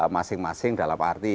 masing masing dalam arti